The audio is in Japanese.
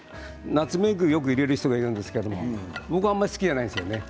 ナツメグをよく入れる人がいるんですけど僕があんまり好きじゃないんですよね。